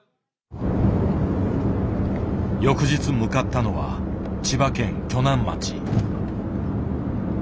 翌日向かったのは千葉県鋸南町。